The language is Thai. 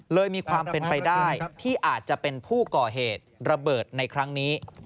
มีความเป็นไปได้ที่อาจจะเป็นผู้ก่อเหตุระเบิดในครั้งนี้